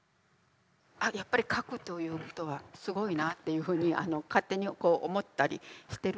あやっぱり書くということはすごいなというふうに勝手に思ったりしてるんですけど。